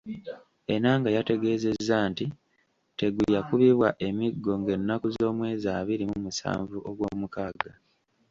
Enanga yategeezezza nti Tegu yakubibwa emiggo ng'ennaku z'omwezi abiri mu musanvu Ogwomukaaga.